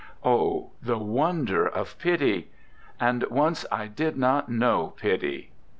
Oh, the wonder of pity! And once I did not know pity."